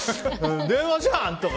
電話じゃん！とか。